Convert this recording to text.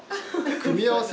組み合わせ？